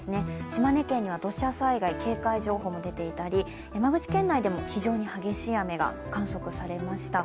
島根県には土砂災害警戒情報が出ていたり山口県内でも非常に激しい雨が観測されました。